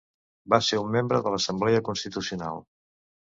Va ser un membre de l'Assemblea Constitucional.